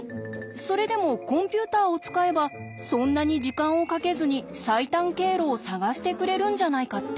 それでもコンピューターを使えばそんなに時間をかけずに最短経路を探してくれるんじゃないかって？